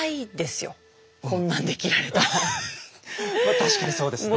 確かにそうですね。